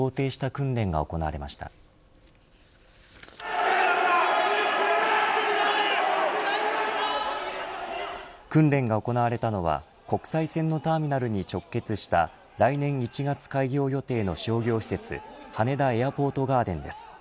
訓練が行われたのは国際線のターミナルに直結した来年１月開業予定の商業施設羽田エアポートガーデンです。